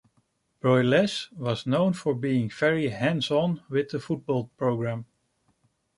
Broyles was known for being very hands-on with the football program.